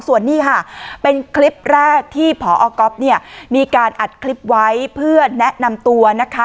ส่วนนี้ค่ะเป็นคลิปแรกที่พอก๊อฟเนี่ยมีการอัดคลิปไว้เพื่อแนะนำตัวนะคะ